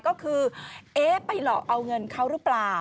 ก็คือเอ๊ะไปหลอกเอาเงินเขาหรือเปล่า